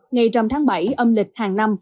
ngày một trăm linh tháng bảy âm lịch hàng năm